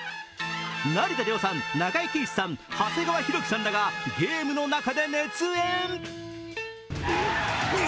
成田凌さん、中井貴一さん、長谷川博己さんらがゲームの中で熱演！